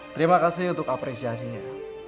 terima kasih untuk apresiasinya